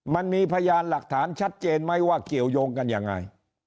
มันมีพยานหลักฐานชัดเจนไหมว่าเกี่ยวยงกันยังไง